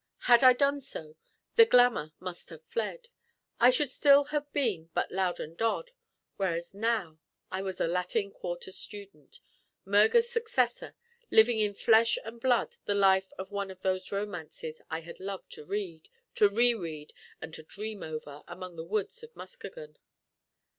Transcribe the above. Had I done so, the glamour must have fled: I should still have been but Loudon Dodd; whereas now I was a Latin Quarter student, Murger's successor, living in flesh and blood the life of one of those romances I had loved to read, to re read, and to dream over, among the woods of Muskegon.